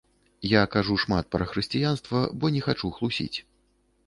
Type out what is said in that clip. Я кажу шмат пра хрысціянства, бо не хачу хлусіць.